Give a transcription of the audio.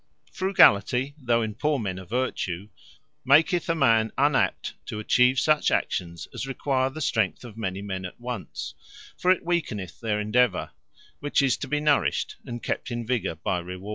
Frugality,(though in poor men a Vertue,) maketh a man unapt to atchieve such actions, as require the strength of many men at once: For it weakeneth their Endeavour, which is to be nourished and kept in vigor by Reward.